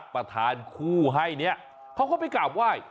และประทานคู่ให้เขาก็ไปกลายว่าย